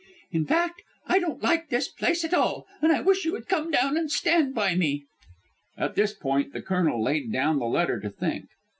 In fact, I don't like this place at all, and I wish you would come down and stand by me." At this point the Colonel laid down the letter to think.